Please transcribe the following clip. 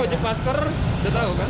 kalau masker dia tau kan